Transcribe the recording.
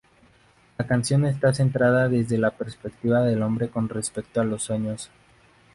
La canción está centrada desde la perspectiva del hombre con respecto a los sueños.